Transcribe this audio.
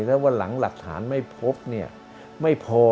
แล้ววันหลังหลักฐานไม่พบเนี่ยไม่พอ